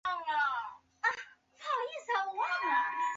罗科科尔人口变化图示